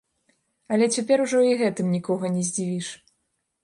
Але цяпер ужо і гэтым нікога не здзівіш.